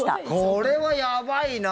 これはやばいな！